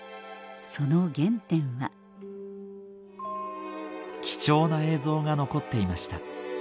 その原点は貴重な映像が残っていました